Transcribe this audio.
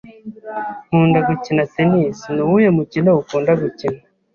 Nkunda gukina tennis. Ni uwuhe mukino ukunda gukina?